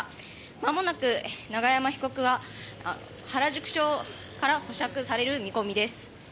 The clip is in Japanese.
まもなく永山被告は原宿署から保釈される見込みです。